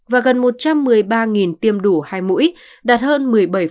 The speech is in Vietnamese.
và gần một trăm một mươi ba tiêm đủ hai mũi đạt hơn một mươi bảy